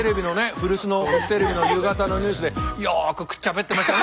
古巣のフジテレビの夕方のニュースでよくくっちゃべってましたよね